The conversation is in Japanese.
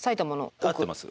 合ってます。